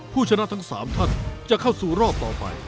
ผู้ชนะทั้ง๓ท่านจะเข้าสู่รอบต่อไป